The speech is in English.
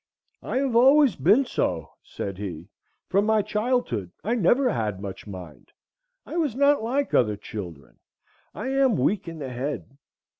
"I have always been so," said he, "from my childhood; I never had much mind; I was not like other children; I am weak in the head.